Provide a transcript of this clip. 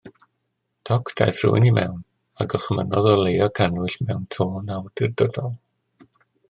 Toc, daeth rhywun i mewn, a gorchymynnodd oleuo cannwyll mewn tôn awdurdodol.